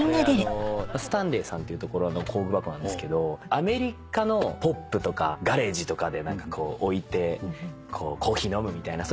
スタンレーさんっていうところの工具箱なんですけどアメリカのポップとかガレージとかでこう置いてコーヒー飲むみたいな。